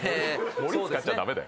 「盛り」使っちゃダメだよ